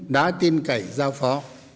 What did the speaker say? đã tin cẩy giao phó